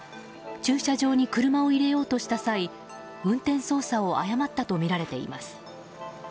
駐車場に車を入れようとした際運転操作を誤ったとみられています。